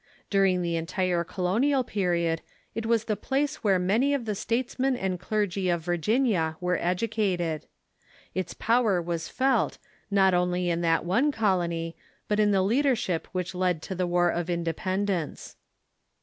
During the entire colonial period it was the place where many of the statesmen and clergy of Virginia were ed ucated. Its power was felt, not only in that one colony, but in the leadership which led to the War of Independence.